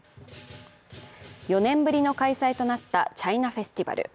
４年ぶりの開催となったチャイナフェスティバル。